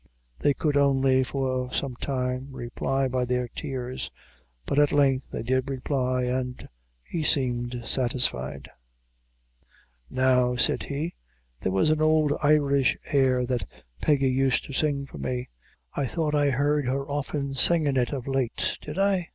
They could only, for some time, reply by their tears; but at length they did reply, and he seemed satisfied. "Now," said he, "there was an ould Irish air that Peggy used to sing for me I thought I heard her often singin' it of late did I?"